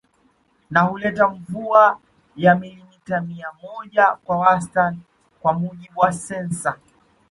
Na huleta mvua ya milimita mia moja kwa wastani kwa mujibu wa sensa